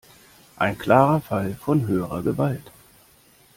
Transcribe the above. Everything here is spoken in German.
Ein klarer Fall von höherer Gewalt.